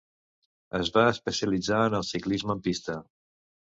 Es va especialitzar en el Ciclisme en pista.